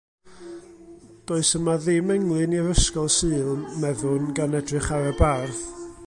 Does yma ddim englyn i'r Ysgol Sul, meddwn, gan edrych ar y bardd.